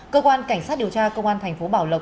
cơ quan cảnh sát điều tra công an tp bảo lộc